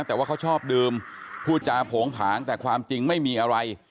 แต่ว่าเขาชอบดื่มพูดจาโผงผางแต่ความจริงไม่มีอะไร